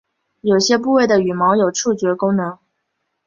有些部位的羽毛有触觉功能。